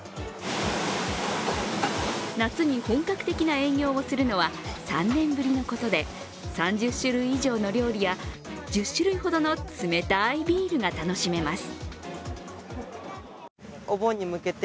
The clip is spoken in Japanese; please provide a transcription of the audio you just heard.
夏に本格的な営業をするのは３年ぶりのことで３０種類以上の料理や１０種類ほどの冷たいビールが楽しめます。